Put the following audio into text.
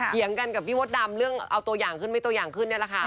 เยียงกันกับพี่มดดำเรื่องเอาตัวอย่างขึ้นไม่ตัวอย่างขึ้นนี่แหละค่ะ